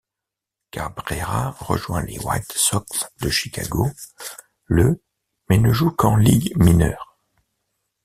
Cabrera rejoint les White Sox de Chicago le mais ne joue qu'en ligues mineures.